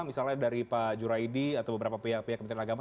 misalnya dari pak juraidi atau beberapa pihak pihak kementerian agama